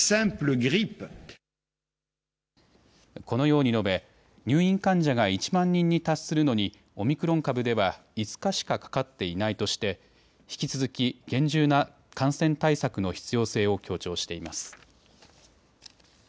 このように述べ入院患者が１万人に達するのにオミクロン株では５日しかかかっていないとして引き続き厳重な感染対策の必要性を強調しています。